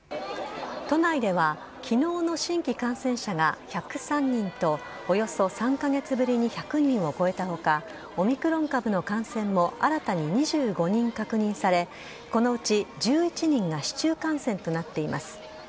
都内では、きのうの新規感染者が１０３人と、およそ３か月ぶりに１００人を超えたほか、オミクロン株の感染も新たに２５人確認され、このうち１１人が市中感染となっています。